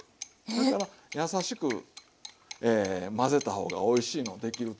だから優しく混ぜた方がおいしいのできると。